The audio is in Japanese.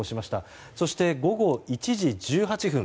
そして、午後１時１８分